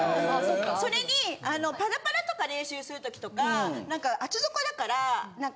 それにパラパラとか練習する時とか何か。